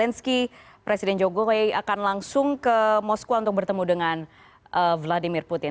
zky presiden jokowi akan langsung ke moskwa untuk bertemu dengan vladimir putin